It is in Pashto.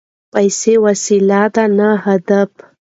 پیسې وسیله ده نه هدف.